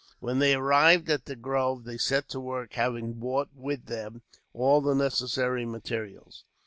When they arrived at the grove they set to work, having brought with them all the necessary materials.